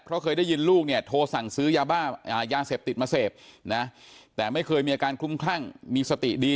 เพราะเคยได้ยินลูกเนี่ยโทรสั่งซื้อยาบ้ายาเสพติดมาเสพนะแต่ไม่เคยมีอาการคลุ้มคลั่งมีสติดี